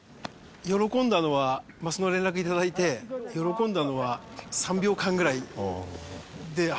喜んだのはその連絡頂いて喜んだのは３秒間ぐらいで。